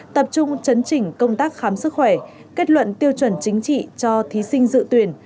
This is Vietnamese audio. tập trung chấn chỉnh công tác khám sức khỏe kết luận tiêu chuẩn chính trị cho thí sinh dự tuyển